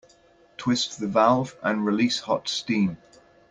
Twist the valve and release hot steam.